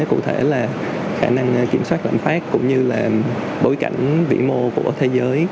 cụ thể là khả năng kiểm soát lạm phát cũng như là bối cảnh vĩ mô của thế giới